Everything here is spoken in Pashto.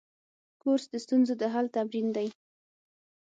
کورس د ستونزو د حل تمرین دی.